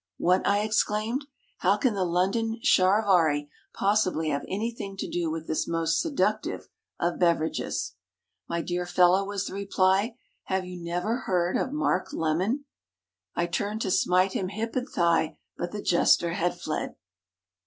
"What?" I exclaimed. "How can the London Charivari possibly have anything to do with this most seductive of beverages?" "My dear fellow," was the reply, "have you never heard of Mark Lemon?" I turned to smite him hip and thigh; but the jester had fled.